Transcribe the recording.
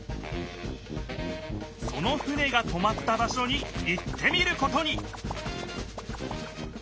その船がとまった場所に行ってみることに！